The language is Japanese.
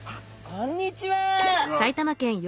こんにちは。